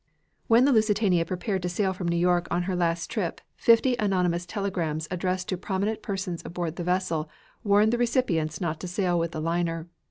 When the Lusitania prepared to sail from New York on her last trip, fifty anonymous telegrams addressed to prominent persons aboard the vessel warned the recipients not to sail with the liner.